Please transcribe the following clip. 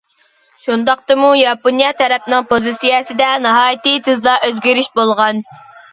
شۇنداقتىمۇ ياپونىيە تەرەپنىڭ پوزىتسىيەسىدە ناھايىتى تېزلا ئۆزگىرىش بولغان.